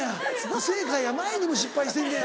不正解や前にも失敗してんねや。